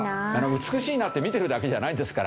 美しいなって見てるだけじゃないですから。